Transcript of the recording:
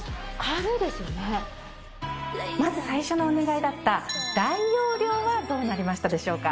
まず最初のお願いだった大容量はどうなりましたでしょうか？